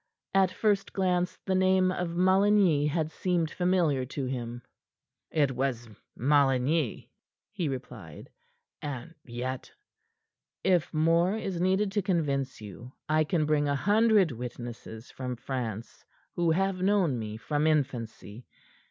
At first glance the name of Maligny had seemed familiar to him. "It was Maligny," he replied, "and yet " "If more is needed to convince you, I can bring a hundred witnesses from France, who have known me from infancy.